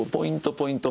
ポイント